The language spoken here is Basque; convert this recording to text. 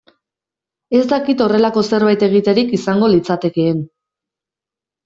Ez dakit horrelako zerbait egiterik izango litzatekeen.